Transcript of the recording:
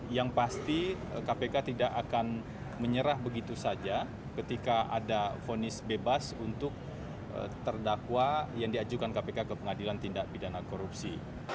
yang pasti kpk tidak akan menyerah begitu saja ketika ada fonis bebas untuk terdakwa yang diajukan kpk ke pengadilan tindak pidana korupsi